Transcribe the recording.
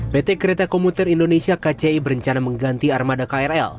pt kereta komuter indonesia kci berencana mengganti armada krl